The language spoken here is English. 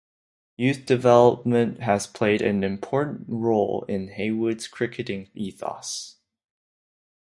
Youth development has played an important role in Heywood's cricketing ethos.